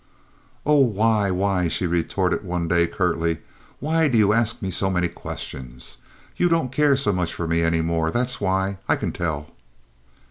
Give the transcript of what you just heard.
"Oh, why—why?" she retorted, one day, curtly. "Why do you ask so many questions? You don't care so much for me any more; that's why. I can tell."